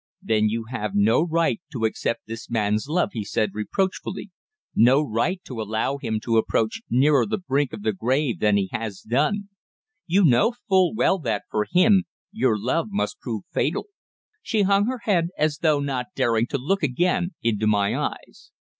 "Then you have no right to accept this man's love," he said reproachfully, "no right to allow him to approach nearer the brink of the grave than he has done. You know full well that, for him, your love must prove fatal!" She hung her head as though not daring to look again into my eyes.